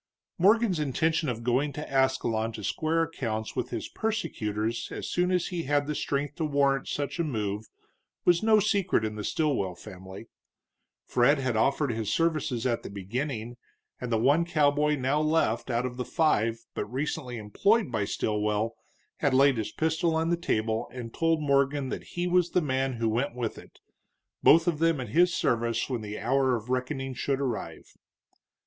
Morgan's intention of going to Ascalon to square accounts with his persecutors as soon as he had the strength to warrant such a move was no secret in the Stilwell family. Fred had offered his services at the beginning, and the one cowboy now left out of the five but recently employed by Stilwell had laid his pistol on the table and told Morgan that he was the man who went with it, both of them at his service when the hour of reckoning should arrive.